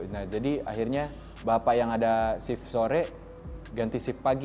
nah jadi akhirnya bapak yang ada shift sore ganti shift pagi